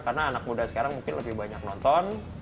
karena anak muda sekarang mungkin lebih banyak nonton